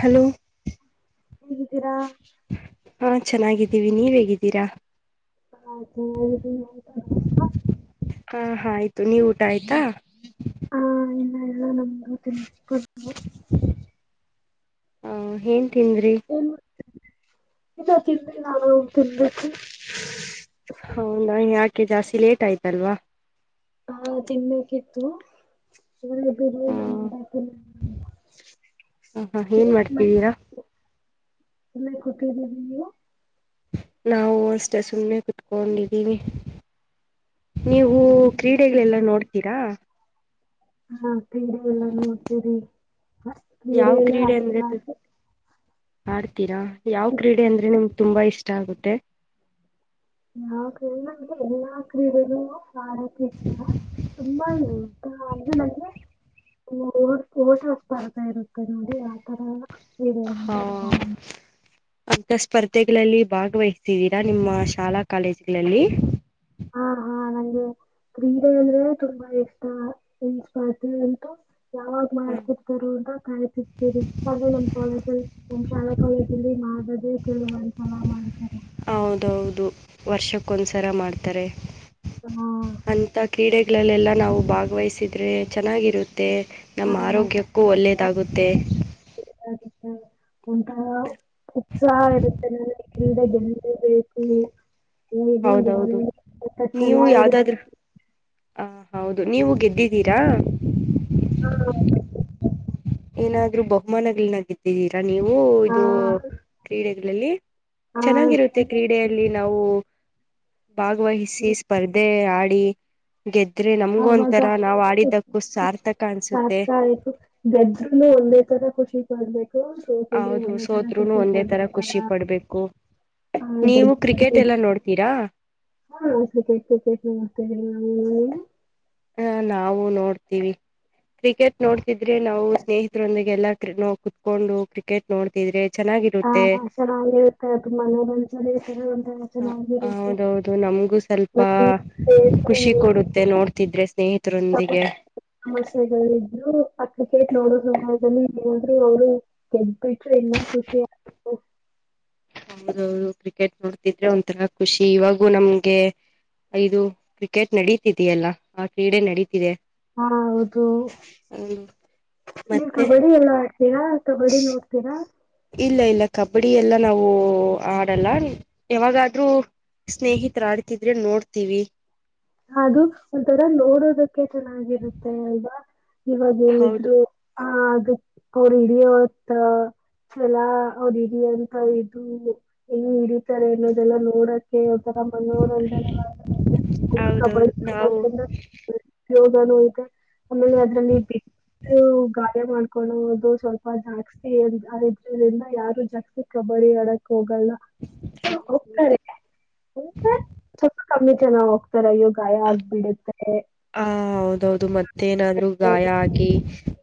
Hello ಹೇಗಿದ್ದೀರಾ? ಹಾ ಚೆನ್ನಾಗಿದ್ದೀವಿ ನೀವ್ ಹೇಗಿದ್ದೀರಾ? ಅದು ಇದು [unintelligible] ಆ ಹಾ ಆಯ್ತು ನೀವು ಊಟ ಆಯ್ತಾ? ಆ ಇನ್ನ ಎಲ್ಲ ನಮ್ಗತಿನ್ ಕು [unintelligible] ಆ ಹೇಳ್ ತಿಂದ್ರಿ ಏನ್ [unintelligible] ನಾನು ತಿನ್ಬೇಕು. ಹೌದಾ ಯಾ ಕೇ ಜಾಸ್ತಿ ಲೇಟ್ ಆಯ್ತಲ್ವ. ಹಾ ತಿನ್ಬೇಕಿತ್ತು. ಹ ಹಾ [unintelligible] ಏನ್ ಮಾಡ್ತಿದ್ದೀರಾ ಸುಮ್ನೆ ಕೂತಿದೀನಿ ನೀವು? ನಾವು ಅಷ್ಟೆ ಸುಮ್ಮ್ನೆ ಕುತ್ಕೊಂಡಿದ್ದೀವಿ. ನೀವು ಕ್ರೀಡೆಗಳೆಲ್ಲ ನೋಡ್ತೀರಾ? ಹ್ಮ ಕ್ರೀಡೆ ಎಲ್ಲ ನೋಡ್ತೀರಿ. ಹ ಬೇರೆ ಎಲ್ಲ [unintelligible] ಹಾಡಿ ತಿರಾ ಯಾವ್ ಕ್ರೀಡೆ ಅಂದ್ರೆ ನಿಮ್ ತುಂಬ ಇಷ್ಟ ಆಗುತ್ತೆ. ಯಾವ್ [unintelligible] ನಮ್ಗೆ ಎಲ್ಲಾ ಕ್ರೀಡೆನೂ ಆಡಕ್ಕೆ ಇಷ್ಟ ತುಂಬಾ ಹ್ಮ್ ಇಷ್ಟ ಅಂದ್ರೆ ನಂಗೆ ಓಟಾ ಸ್ಪರ್ದಾ ಇರುತ್ತೆ ನೋಡಿ ಯಾವ್ತರದ ಹಾ ಅಂತ ಸ್ಪರ್ಧೆಗಳಲ್ಲಿ ಭಾಗವಹಿಸಿದ್ದೀರಾ ನಿಮ್ಮ ಶಾಲಾ ಕಾಲೇಜುಗಳಲ್ಲಿ. ಹಾ ಹಾ ನಂಗೆ ಕ್ರೀಡೆ ಅಂದ್ರೇನೆ ತುಂಬಾ ಇಷ್ಟ [unintelligible] ಅಂತ ಯಾವಾಗ್ ಮಾಡ್ತಿರ್ತಾರೊ ಅಂತ ಕಾಯ್ತಿರ್ತೀರಿ ಅದ್ರೆ ನಮ್ ಕಾಲೇಜಲ್ಲಿ ನಮ್ ಶಾಲಾ ಕಾಲೇಜಲ್ಲಿ ಮಾಡ [unintelligible] ಕೇಳಿ ಒಂದ್ ಸಲ ಮಾಡ್ತಾರೆ. ಹೌದೌದು ವರ್ಷಕ್ಕೊಂದ್ಸರ ಮಾಡ್ತಾರೆ. ಹಾ ಅಂತ ಕ್ರೀಡೆ ಗಳಲ್ಲೆಲ್ಲ ನಾವು ಭಾಗವಹಿಸಿದ್ರೆ ಚೆನ್ನಾಗಿರು ತ್ತೆ ನಮ್ ಆರೋಗ್ಯಕ್ಕೂ ಒಳ್ಳೆಯದಾಗುತ್ತೆ. ಹ ಉಂಟವ್ ಉತ್ಸಾಹ ಇರುತ್ತೆ ನನಗೆ ಕ್ರೀಡೆ ಗೆಲ್ಲೆ ಬೇಕು. ಹೌದೌದು ಛಲ ನೀವು ಇರುತ್ತೆ ಯಾವ್ದಾದ್ರೂ ಆ. ಹೌದು ನೀವು ಗೆದ್ದಿದ್ದೀರಾ. ಏನಾದ್ರು ಬಹುಮಾನ್ಗಳ್ನ ಗೆದ್ದೀರ. ನೀವು ಹಾ ಇದು ಕ್ರೀಡೆ. ಲಲ್ಲಿ. ಹಾ ಚೆನ್ನಾಗಿರುತ್ತೆ ಕ್ರೀಡೆಯಲ್ಲಿ ನಾವು ಭಾಗವಹಿಸಿ ಹಾ ಸ್ಪರ್ಧೆ ಆಡಿ ಡಿ ಗೆದ್ರೆ ನಮ್ಗ ಆವಾಗ ಒಂಥರ ನಾವ್ ಆಡಿದ್ದಕ್ಕೂ ಸಾರ್ಥಕ ಅನ್ಸುತ್ತೆ. ಸಾರ್ಥ ಆಯ್ತು [unintelligible] ಒಂದೇ ತರ ಖಷಿ ಪಡಬೇಕ. ಹ ಯಾಕಂದ್ರೆ ಹೌದು ಒಂದೆ ತರ ಸೋತ್ರುನು ಖುಷಿ ಒಂದೇ ತರ ಪಡಬೇಕಲ್ಲ ಖುಷಿ ಪಡ್ಬೇಕು ನೀವು ಗೆದ್ದು ಕ್ರಿಕೆಟ್ ಎಲ್ಲ ಗೆದ್ದ ನೋಡ್ತೀರಾ ಹ ಗೆದ್ದು, ಗೆದ್ದು [unintelligible] ಹ ನಾವು ನೋಡ್ತೀವಿ ಕ್ರಿಕೆಟ್ ನೋಡ್ತಿದ್ರೆ ನಾವು ಸ್ನೇಹಿತರೊಂದಿಗೆ ಎಲ್ಲಾ [unintelligible] ಕುತ್ಕೊಂಡು ಕ್ರಿಕೆಟ್ ನೋಡ್ತಿದ್ರೆ ಹಾ ಚೆನ್ನಾಗಿರುತ್ತೆ ಹಾ ಚೆನ್ನಾಗಿ ಇರುತ್ತೆ ಅದು ಮನೋರಂಜನೆ [unintelligible] ಹ ಚೆನ್ನಾಗಿರುತ್ತೆ ಹೌದ ಹೌದು ನಮ್ಗೂ ಸ್ವಲ್ಪ ನಾವು ಖುಷಿ ಕೊಡುತ್ತೆ ನೋಡ್ತಿದ್ರೆ. ಹಾ ಸ್ನೇಹಿತರೊಂದಿಗೆ ಸಮಸ್ಯೆಗಳಿದ್ರು ಆ ಕ್ರಿಕೆಟ್ ನೋಡೋ ಸಮಯದಲ್ಲಿ ಅವರು [unintelligible] ಅವರು ಕ್ರಿಕೆಟ್ ನೋಡ್ತಿದ್ರೆ ಒಂಥರ ಖುಷಿ ಇವಾಗೂ ನಮ್ಗೆ ಇದು ಕ್ರಿಕೆಟ್ ನಡೀತಿದೆಯಲ್ಲ ಆ ಕ್ರೀಡೆ ನಡೀತಿದೆ. ಹಾ ಹೌದು ಹೌದು ನೀನ್ ಮತ್ತೆ ಕಬಡ್ಡಿ ಎಲ್ಲ ಆಡ್ತೀರಾ ಕಬಡ್ಡಿ ನೋಡ್ತೀರಾ. ಇಲ್ಲ ಇಲ್ಲ ಕಬಡ್ಡಿ ಎಲ್ಲ ನಾವು ಆಡಲ್ಲ ಯಾವಾಗಾದ್ರೂ ಸ್ನೇಹಿತರ ಆಡ್ತಿದ್ರೆ ನೋಡ್ತೀವಿ. ಅದು ಒಂಥರ ನೋಡೋದಕ್ಕೆ ಚೆನ್ನಾಗಿರುತ್ತೆ ಅಲ್ವಾ. ಹೌದು ಇವಾಗೇನಿದ್ರು ಹ ಅದಕ್ಕೆ ಹೊರಿಡಿ ಹೊತ್ತ ಚಲ ಹೊರಿಡಿ ಅಂತ ಇದು ಹೆಂಗೆ ತಾರೆ ಎನ್ನೋದೆಲ್ಲ ನೋಡೆ ಹ [unintelligible] ಹೌದೌದು ನಾವು [unintelligible] ಆಮೇಲೆ ಅದ್ರಲ್ಲಿ ಬಿದ್ದು ಗಾಯ ಮಾಡ ಕೊಳ್ಳೋದು ಸ್ವಲ್ಪ ಜಾಸ್ತಿ [unintelligible] ಯಾರು ಜಾಸ್ತಿ ಕಬಡ್ಡಿ ಆಡಕ್ ಹೋಗಲ್ಲ ಹೋಗ್ತಾರೆ. ಕಮ್ಮಿ ಜನವು ಈದರಲ್ಲೂ ಗಾಯ ಆಗ್ಬಿಡುತ್ತೆ. ಆ ಹೌದೌದು ಮತ್ತೇನಾದ್ರು ಗಾಯ ಆಗಿ.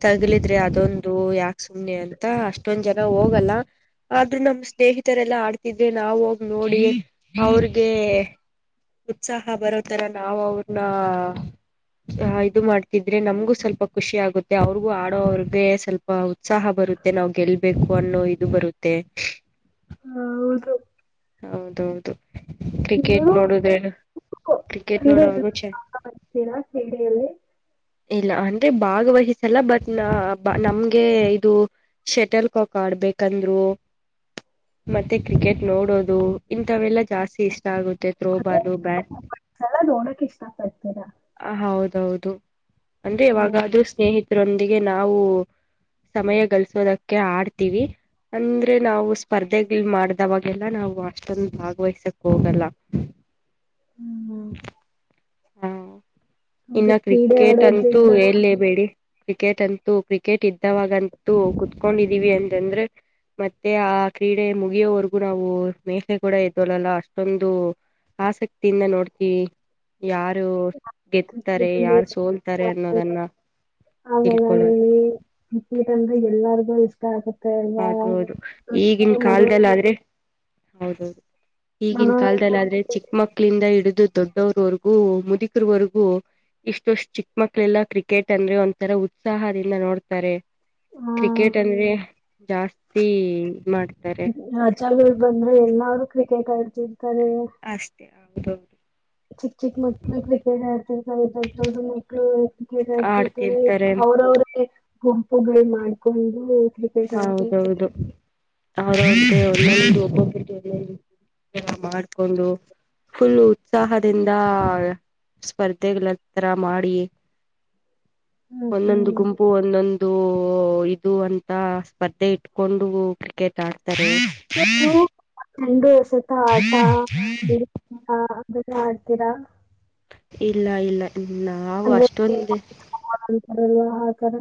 ತಗಿಲಿದ್ರೆ ಅದೊಂದು ಯಾಕ್ ಸುಮ್ನೆ ಅಂತ ಅಷ್ಟೊಂದ್ ಜನ್ ಹೋಗಲ್ಲ ಆದ್ರೂ ನಮ್ ಸ್ನೇಹಿತರೆಲ್ಲಾ ಆಡ್ತಿದ್ರೆ ನಾವು ಅವರ್ನ ಹೋಗ್ ನೋಡಿ ಅವ್ರಗೆ ಉತ್ಸಾಹ ಬರೋತರ ನಾವು ಅವ್ರನಾ ಆಹ್ ಇದು ಮಾಡ್ತಿದ್ರೆ ನಮ್ಗೂ ಸ್ವಲ್ಪ ಖುಷಿ ಆಗುತ್ತೆ ಅವ್ರಿಗೂ ಆಡೋ ಅವ್ರಗೆ ಸ್ವಲ್ಪ ಉತ್ಸಾಹ ಬರುತ್ತೆ ನಾವ್ ಗೆಲ್ಬೇಕು ಅನ್ನೋ ಇದು ಬರುತ್ತೆ. ಹೌದು ಹೌದೌದು. ಕ್ರಿಕೆಟ್ ನೀವು ನೋಡುದ್ರೆ ಕ್ರಿಕೆಟ್ ಕ್ರೀಡೆ ನೋಡೋವಾಗ ಜೊತೆ ಚೆ ಆಟತೀರಾ ಕ್ರೀಡೆಯಲ್ಲಿ. ಇಲ್ಲಾ ಅಂದ್ರೆ ಭಾಗವಹಿಸಲ್ಲ ಬಟ್ ನಾ ನಮ್ಗೆ ಇದು ಶೇಟಲ್ ಕಾಕ್ ಆಡ್ಬೇಕಂದ್ರು ಮತ್ತೆ ಕ್ರಿಕೆಟ್ ನೋಡೋದ್ ದು ಇಂಥವೆಲ್ಲಾ ಜಾಸ್ತಿ ಇಷ್ ಷ್ಟ ಆಗುತ್ತೆ ಅಂದ್ರೆ ತ್ರೋಬಾಲು ಬ್ಯಾಟ್ ಇದೆಲ್ಲ ನೋಡಕ್ ಇಷ್ಟ ಪಡ್ತೀರಾ ಹ ಹೌದೌದ್ ತ್ತು. ಅಂದ್ರೆ ಇವಾಗ್ ಅದು ಸ್ನೇಹಿತ್ ತ್ರೋದ್ರೊಂದಿಗೆ ನಾವು ಸಮಯ ಗಳಿಸೋದಕ್ಕೆ ಆಡ್ತೀವಿ ಅಂದ್ರೆ ನಾವು ಸ್ಪರ್ಧೆಗಲ್ ಮಾಡ್ದವಾಗೆಲ್ಲ ನಾವ್ ವ ಅಷ್ಟೊಂದ್ ಭಾಗವಹಿಸಕ್ ಹೋಗಲ್ಲಾ. ಹ್ಮ್. [unintelligible] ಹ ಇನ್ನ ಹೌದು ಕ್ರೀಡೆ ಕ್ರಿಕೆಟ್ ಅಂತೂ ಆಡೋದ್ರಿಂದ ಎಲ್ಲೇಬೇಡಿ. ಕ್ರಿಕೆಟ್ ಅಂತೂ ಕ್ರಿಕೆಟ್ ಇದ್ದವಾಗಂತೂ ಕುತ್ಕೊಂಡಿದ್ದೀವಿ ಅಂತಂದ್ರೆ ಮತ್ತೆ ಆ ಕ್ರೀಡೆ ಮುಗ್ಯೋವರ್ಗೂ ನಾವು ಮೇಲೆ ಕೂಡ ಎದೊಳ್ಳಲ್ಲಾ ಅಷ್ಟೊಂದು ಆಸಕ್ತಿಯಿಂದ ನೋಡ್ತೀವಿ. ಯಾರು ಗೆದ್ತಾರೆ ಕ್ರಿಕೆಟ್ ಅಂದ್ರೆ ಯಾರು ಇಷ್ಟ ಸೋಲ್ತಾರೆ ಆಗಲ್ಲ. ಅನ್ನೋದನ್ನ ಆಮೇಲೆ ತಿಳ್ಕೊಳೊಕೆ. ಹೇಳಿ ದಾದು. ಅದು ಅದು ಈಗಿನ್ ಕಾಲ್ದಲ್ ಆದ್ರೆ. ಮನೋರಂಜನೆ ಹೌದು. ಈಗಿನ್ ಕಾಲ್ದಲ್ ಆದ್ರೆ ಮನೋರಂಜನೆ ಚಿಕ್ಕ ಮಕ್ಳಿಂದ ಹಿಡ್ದು. ದೊಡ್ಡೊರ್ವರ್ಗೂ ಮುದೀಕ್ರವರ್ಗೂ ಇಷ್ಟಷ್ಟ ಚಿಕ್ಕ ಮಕ್ಳೆಲ್ಲಾ ಕ್ರಿಕೆಟ್ ಅಂದ್ರೆ ಒಂಥರ ಉತ್ಸಾಹದಿಂದ ನೋಡ್ತಾರೆ. ಆ, ಕ್ರಿಕೆಟ್ ಅಂದ್ರೆ. ಜಾಸ್ತಿ ಈದ್ ಮಾಡ್ತಾರೆ. ನಾನು ಕ್ರಿಕೆಟ್ ಆಡ್ತೀನ್. ಕರೆ. ಹೌದು. ಚಿಕ್ ಚಿಕ್ ಮಕ್ಳು ಕ್ರಿಕೆಟ್ ಆಡ್ತಿರ್ತವೆ ದೊಡ್ಡ್ ದೊಡ್ಡು ಮಕ್ಳು ಕ್ರಿಕೆಟ್ ಆಡ್ತಿರ್ತಾರೆ ಅವ್ರವ್ರೇ. ಗುಂಪುಗಳ್ ಮಾಡ್ಕೊಂಡು. ಕ್ರಿಕೆಟ್ ಆಡ್ತಿರ್ತಾರೆ ಹೌದೌದು ಅವ್ರ್ ಅವ್ರ್ದೆ ಒಂದೊಂದು ಒಬೊಬ್ರುದು ಒಂದೊಂದ್ ತರ ಮಾಡ್ಕೊಂಡು ಫುಲ್ ಉತ್ಸಾಹದಿಂದ ಸ್ಪರ್ಧೆಗಳತ್ರ ಮಾಡಿ. ಹ್ಮ್ ಹ್ಮ್ ಒಂದೊಂದು ಗುಂಪು ಒಂದೊಂದು. ಓ ಇದು ಅಂ ತ ಸ್ಪರ್ಧೆ ಇಟ್ಕೊಂಡು ಕ್ರಿಕೆಟ್ ಆಡ್ ತರೆ. ನಂದು ಅಶ್ ಜಕ ಆಟ [unintelligible] ಕ. ಇವೆಲ್ಲ ಆಡ್ತೀರಾ. ಇಲ್ಲ ಇಲ್ಲ. ಇಲ್ಲ ಆವು ಅಷ್ಟೊಂದೆ. ಗಲ್ವಾ ಆಕಾರ.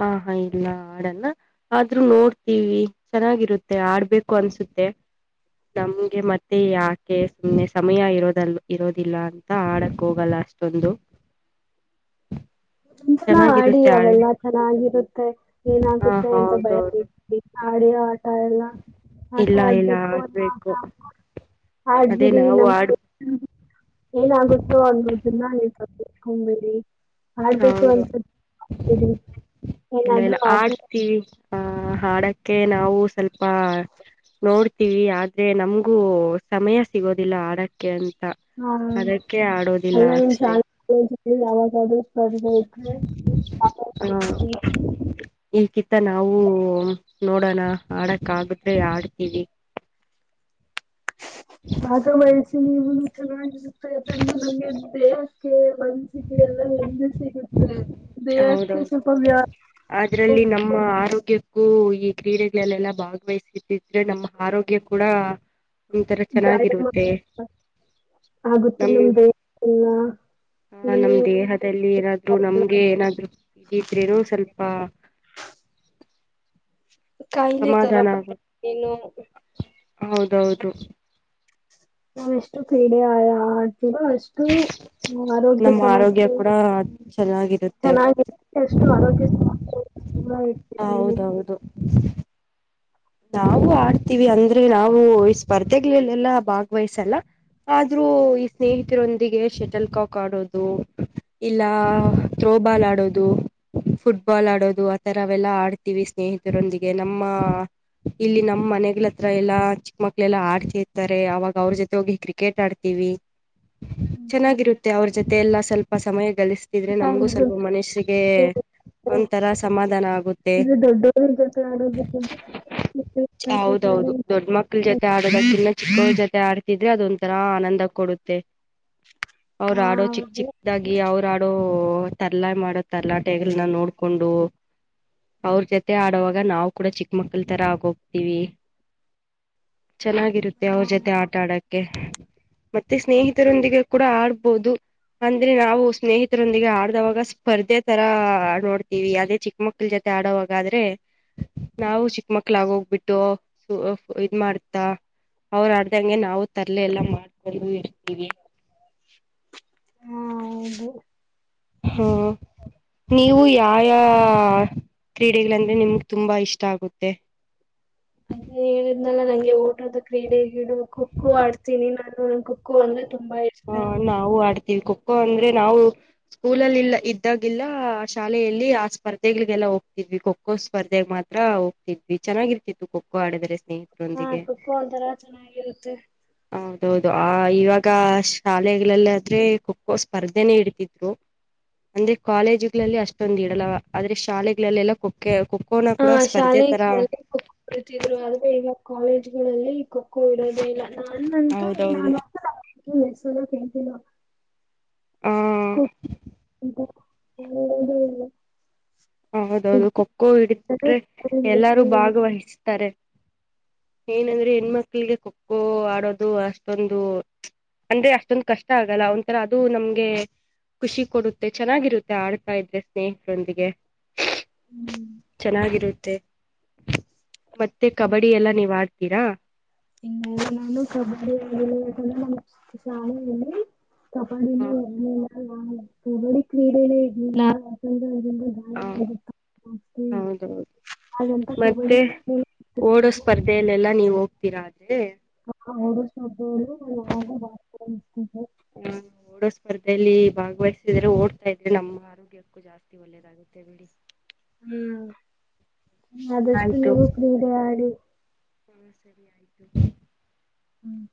ಹಾ ಹಾ ಇಲ್ಲ ಆಡಲ್ಲ ಆದ್ರೂ ನೋಡ್ತೀವಿ ಚೆನ್ನಾಗಿರುತ್ತೆ ಆಡ್ಬೇಕು ಅನ್ಸುತ್ತೆ ನಮ್ಗೆ ಮತ್ತೆ ಯಾಕೆ ಸುಮ್ನೆ ಸಮಯ ಇರೋದಲ್ ಇರೋದಿಲ್ಲ ಅಂತ ಆಡಕ್ ಹೋಗಲ್ಲ ಅಷ್ಟೊಂದು. ಇನ್ಸಲ ಆಡಿ ಚೆನ್ನಾಗಿರುತ್ತೆ ಆಡ ಅವೆಲ್ಲಾ ಚೆನ್ನ ನಾಗಿರುತ್ತೆ ಹಾ ಏನಾಗುತ್ತೆ ಅಂತ ಭಯ ಹೌದೌದು ಬಿಡ್ [unintelligible] ಆಡಿರೋ ಆಟ. ಇಲ್ಲ ಆಟ ಇಲ್ಲ ಇಲ್ಲ ಆಡ್ಬೇಕು ಅನ್ನು ಆಡ್ಬೇಕು [unintelligible] ಅದೇ ಆಡ್ಬಿಡಿ ನಾವು ನಮ್ ಆಡ್ [unintelligible] ಏನಾಗುತ್ತೋ ಅನ್ನೋದನ್ನ [unintelligible] [unintelligible] ಆಡ್ಬೇಕು ಹೌದು ಅಂತ ಇದೀವಿ ಇಲ್ಲ ಏನಾದ್ರು ಇಲ್ಲ ಆದ್ರೆ ಆಡ್ತೀವಿ ಆ ಹಾಡಕ್ಕೆ ನಾವು ಸ್ವಲ್ಪ ನೋಡ್ತೀವಿ ಆದ್ರೆ ನಮ್ಗೂ ಸಮಯ ಸಿಗೋದಿಲ್ಲ ಆಡಕ್ಕೆ ಆನ್ ತ ಆ ಅದಕ್ಕೆ ಆಡೋದಿಲ್ಲ ಅಲ್ಲ ನಿಮ್ ಅಷ್ಟೆ. ಶಾಲೆ ಕಾಲೇಜಲ್ಲಿ ಯಾವಾಗಾದ್ರೂ ಸ್ಪರ್ಧೆ ಇದ್ರೆ ಹ ಭಾಗವಹಿಸಿ ಈ ಕಿತ್ತ ನಾವು ನೋಡೋಣ ಆಡಕ್ ಆಗುದ್ರೆ ಆಡ್ತೀವಿ. ಭಾಗವಹಿಸಿ ಸಿ ನೀವು [unintelligible] [unintelligible] ಮನ್ಸಿಗೆ ಎಲ್ಲ ನೆಮ್ಮದಿ ಸಿಗುತ್ತೆ. ಹೌದೌದು ದೇಹಕ್ಕೆ ಸ್ವಲ್ಪ ವ್ಯಾ- ಅದ್ರಲ್ಲಿ ನಮ್ಮ ಆರೋಗ್ಯ ಕ್ಕು ಈ ಕ್ರೀಡೆಗಳಲ್ಲೆಲ್ಲಾ ಭಾಗವಹಿಸುತ್ತಿದ್ರೆ ನಮ್ಮ ಆರೋಗ್ಯ ಕೂಡ ನಮ ತರ ವ್ಯಾಯಾಮ ಚೆನ್ನಾಗಿರುತ್ತೆ ಆಗುತ್ತೆ ನಮ್ ದೇಹಕ್ಕೆಲ್ಲ ಆ ಏನು ನಮ್ ದೇಹದಲ್ಲಿ ಏನಾದ್ರೂ ನಮ್ ಏನಾದ್ರು ಇದಿದ್ರೇನು ಸ್ವಲ್ಪ. ಕಾಯಿಲೆ ತರ ಸಮಾಧಾನ ಬರ್ ಆಗುತ್ತೆ ತೆನೋ. ಹೌದೌದು. ನಾವ್ ಎಷ್ಟು ಕ್ರೀಡೆ ಆಡ್ ಆಡ್ ತಿವೋ ಅಷ್ಟು ಆರೋಗ್ಯ ನಮ್ಮ ಆರೋಗ್ಯ ಸಮಸ್ಯೆ ಕೂಡ ಚೆನ್ನಾಗಿರುತ್ತೆ ಚೆನ್ನಾಗಿ ಎಷ್ಟು ಆರೋಗ್ಯ ಸಮಸ್ಯೆ. ಸುಮ್ಮ ಇತ್. [unintelligible] ಹೌದೌದು ನಾವು ಆಡ್ತೀವಿ ಅಂದ್ರೆ ನಾವು ಈ ಸ್ಪರ್ಧೆಗಳಲ್ಲೆಲ್ಲಾ ಭಾಗ್ವಹಿಸಲ್ಲ ಆದ್ರೂ ಈ ಸ್ನೇಹಿತರೊಂದಿಗೆ ಶಟಲ್ ಕಾಕ್ ಆಡೋದು ಇಲ್ಲ ಥ್ರೋಬಾಲ್ ಆಡೋದು ಫುಟ್ಬಾಲ್ ಆಡೋದು ಆತರವೆಲ್ಲ ಆಡ್ತೀವಿ ಸ್ನೇಹಿತರೊಂದಿಗೆ ನಮ್ಮ. ಇಲ್ಲಿ ನಮ್ಮ ಮನೆಗಳ ಹತ್ರ ಎಲ್ಲಾ ಚಿಕ್ಕ ಮಕ್ಳ ಎಲ್ಲಾ ಆಡ್ತಿರ್ತಾರೆ ಅವಾಗ್ ಅವ್ರ ಜೊತೆ ಹೋಗಿ ಕ್ರಿಕೆಟ್ ಆಡ್ತಿವಿ. ಚೆನ್ನಾಗಿರುತ್ತೆ ಅವ್ರ ಜೊತೆ ಎಲ್ಲಾ ಸ್ವಲ್ಪ ಸಮಯ ಗಳಿಸ್ ದ್ರೆ ನಮ್ಗೂ ಸ್ವಲ್ಪ ಮನುಸ್ಸಿಗೆ ಒಂಥರ ಸಮಾಧಾನ ಆಗುತ್ತೆ. ಇದು ದೊಡ್ಡವ್ರ ಜೊತೆ ಆಡೋದಕ್ಕಿಂತ ಆಡ್ಬೇಕಾದ್ರೆ ಹೌದೌದು ದೊಡ್ ಮಕ್ಳ ಜೊತೆ ಆಡದಕ್ಕಿನ್ನ ಚಿಕ್ಕವ ಜೊತೆ ಆಡ್ ಿದ್ರೆ ಅದೊಂಂತರಾ ಆನಂದ ಕೊಡುತ್ತೆ ಅವರು ಹಾ ಆಡೋ ಚಿಕ್ಕ ಹೌದು ಚಿಕ್ಕದಾಗಿ ಅವರು ಾಡು ತರ್ಲಾಯ ಮಾಡ ತರಲಾಟೆಗಳನ್ನ ನೋಡ್ಕೊಂಡ ಅವ್ರ ಜೊತೆ ಆಡೋವಾಗ ನಾವು ಕೂಡ ಚಿಕ್ಕ ಮಕ್ಳ ತರ ಆ ಹೋಗ್ತವಿ ಚೆನ್ನಾಗಿರುತ್ತೆ ಹಾ ಅವ್ರ ಜೊತೆ ಆಟ ಆಡಕ್ಕೆ ಮತ್ತೆ ಸ್ನೇಹಿತರೊಂದಿಗೆ ಕೂಡ ಆಡ್ಬೋದು ಅಂದ್ರೆ ನಾವು ಸ್ನೇಹಿತರೊಂದಿಗೆ ಆಡದವಾಗ ಸ್ಪರ್ಧೆ ತರ ನೋಡ್ತೀವಿ ಅದೇ ಚಿಕ್ಕ ಮಕ್ಳ ಜೊತೆ ಆಡೋವಾಗಾದ್ರೆ ನಾವು ಚಿಕ್ಕ ಮಕ್ಳ ಮಕ್ಲಾಗ ಹೋಗ್ಬಿಟ್ಟು ಇದ್ ಮಾಡ್ತಾ ಅವ್ರ ಆಡ್ದಂಗೆ ನಾವು ತರ್ಲೆ ಎಲ್ಲ ಮಾಡ್ಕ ರಿ ಇರ್ತ ಹಾ, ಹೌದು ಹಾ ನೀವು ಯ ಕ್ರೀಡೆಗಳಂದ್ರೆ ನಿಮ್ಗೆ ತುಂಬಾ ಇಷ್ಟ ಆಗುತ್ತೆ ಅದೇ ಹೇಳಿದ್ನಲ್ಲ ನಂಗೆ ಓಟದ ಕ್ರೀಡೆಗಿಡು ಖೋ ಖೋ ಆಡ್ತೀನಿ ನಾನು ನ ಖೋಖೋ ಅಂದ್ರ ಹಾ ನಾವು ಆಡ್ತೀವಿ ಖೋಖೋ ಅಂದ್ರೆ ನಾವು ಸ್ಕೂಲಲ್ಲಿಲ್ಲ ಇದ್ದಾಗಿಲ್ಲ ಆ ಶಾಲೆಯಲ್ಲಿ ಆ ಸ್ಪರ್ಧೆಗಳಿಗೆಲ್ಲ ಹೋಗ್ತಿದ್ವಿ ಖೋಖೋ ಸ್ಪರ್ಧೆಗ್ ಮಾತ್ರ ಹೋಗ್ತಿದ್ವಿ ಚೆನ್ನಾಗಿರ್ತಿತ್ತು ಖೋಖೋ ಆಡಿದರೆ ಹಾ ಖಖೋ ಅಥರ ಚೆನ್ನಾಗಿರುತ್ತೆ ಹೌದೌದು ಆ ಇವಾಗ ಶಾಲೆಲ್ಲ ಆದ್ರೆ ಖ ಖೋ ಸ್ಪರ್ಧೆನೇ ಇಡ್ತಿದ್ರು ಅಂದ್ರೆ ಕಾಲೇಜ್ಗಳಲ್ಲಿ ಅಷ್ಟೊಂದು ಇಡಲ್ಲ ಆದ್ರೆ ಶಾಲೆಗಳಲ್ಲೆಲ್ಲ ಖ ಖ ಹಾ ಶಾಲೆಗೆ ಕುರಿತಿದ್ರು ಆದ್ರೆ ಈಗ ಕಾಲೇಜ್ಗಳಲ್ಲಿ ಕೊಡೋದೆಲ್ಲ ನಾನುಂತು ಹೌದೌದು ನಾನ ಮೆಸಲ ಕತಿಿನ ಹ ಕ್ಕುಕ್ ಹದ ಇಲ್ಲ ಹೌದೌದು ಖೋ ಖೋ ಇಡ್ತಿರ್ತಾರೆ ಹಿಡಿದ್ರೆ ಎಲ್ಲರೂ ಇಡ್ತಿರ್ತಾರೆ. ಭಾಗವಹಿಸ್ತಾರೆ ಏನಂದ್ರೆ ಹೆಣ್ಮಕ್ಳಿಗೆ ಖೋ ಖೋ ಆಡೋದು ಅಷ್ಟೊಂದು ಅಂದ್ರೆ ಅಷ್ಟೊಂದು ಕಷ್ಟ ಆಗಲ್ಲ ಒಂಥರ ಅದು ನಮ್ಗೆ ಖುಷಿ ಕೊಡುತ್ತೆ ಚೆನ್ನಾಗಿರುತ್ತೆ ಆಡ್ತಾ ಇದ್ರೆ ಸ್ನೇಹಿತರೊಂದಿಗೆ ಹ್ಮ್ ಚೆನ್ನಾಗಿರುತ್ತೆ ಮತ್ತೆ ಕಬಡ್ಡಿ ಎಲ್ಲ ನೀವುಡ್ತೀರಾ ಇನ್ನ ನಾನು ಕಬಡ್ಡಿ ನ ಶಾಲಿ ಕಬ್ಬಡಿಗ್ ಹ ಪುಗಳಿ ಕ್ರೀಡೆಲ್ಲ ಇ ಹಾ ಹೌದೌದು ಹಾಗಂತ ಕಬಡ್ಡಿ ಮತ್ತೆ ಕ್ರೀಡೆನೇ ಓಡೋ ಇರ್ತಿರ್ಲಿಲ್ಲ ಸ್ಪರ್ಧೆಯಲ್ಲೆಲ್ಲಾ ನೀವು ಹೋಗ ತೀರಾ ಅಂದ್ರೆ ಹ ಹೌಡಿ ಆ ಬ [unintelligible] ಹ ಹಾ ಓಡೋ ಸ್ಪರ್ಧೆಯಲ್ಲಿ ಭಾಗವಹಸಿದ್ರೆ ಓಡ್ತಾ ಇದ್ರೆ ನಮ್ಮ ಆರೋಗ್ಯಕ್ಕೂ ಜಾಸ್ತಿ ಒಳ್ಳೇದಾಗುತ್ತೆ ಹೇಳಿ ಹ್ಮ್ ಆದಷ್ಟು ಆಯ್ತು ನೀವು ಕ್ರೀಡೆ ಆಡಿ ಹಾ ಸರಿ ಆಯ್ತು ಹ್ಮ್